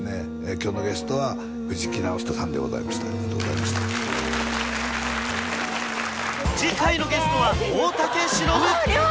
今日のゲストは藤木直人さんでございましたありがとうございました次回のゲストは大竹しのぶ